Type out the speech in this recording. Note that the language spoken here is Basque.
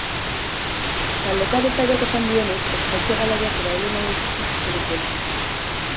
Taldeko abeslariak esan duenez, objektu hegalariak erabili nahi dituzte zuzenekoetan.